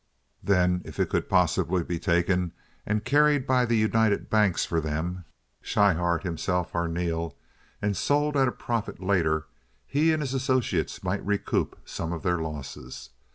Then if it could possibly be taken and carried by the united banks for them (Schryhart, himself, Arneel) and sold at a profit later, he and his associates might recoup some of their losses.